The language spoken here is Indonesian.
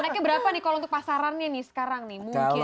enaknya berapa nih kalau untuk pasarannya nih sekarang nih mungkin rata rata